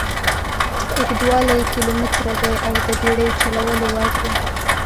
اوږدوالی یې کیلومتره دي او د بېړیو چلولو وړ دي.